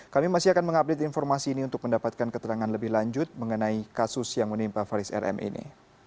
kami masih akan mengupdate informasi ini untuk mendapatkan keterangan lebih lanjut mengenai kasus yang menimpa faris rm ini